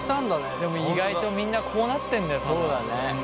でも意外とみんなこうなってんだよ多分。